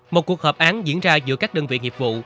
một cuộc hợp án diễn ra giữa các đơn vị nghiệp vụ